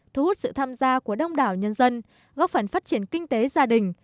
thu hút sự tham gia của đông đảo nhân dân góp phần phát triển kinh tế gia đình